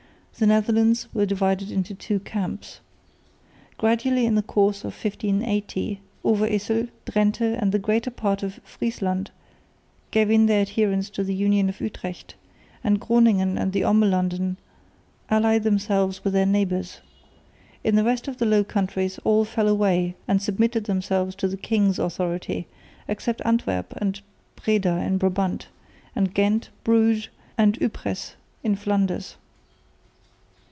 The Netherlands were divided into two camps. Gradually in the course of 1580 Overyssel, Drente and the greater part of Friesland gave in their adherence to the Union of Utrecht, and Groningen and the Ommelanden allied themselves with their neighbours. In the rest of the Low Countries all fell away and submitted themselves to the king's authority, except Antwerp and Breda in Brabant, and Ghent, Bruges and Ypres in Flanders.